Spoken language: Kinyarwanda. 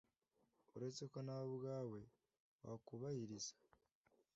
uretse ko nawe ubwawe wakubahiriza